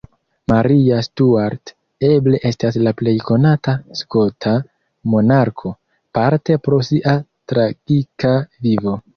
Maria Stuart eble estas la plej konata skota monarko, parte pro sia tragika vivo.